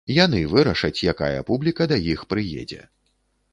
Яны вырашаць, якая публіка да іх прыедзе.